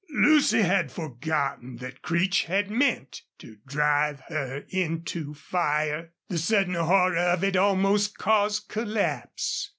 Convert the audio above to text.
Lucy had forgotten that Creech had meant to drive her into fire. The sudden horror of it almost caused collapse.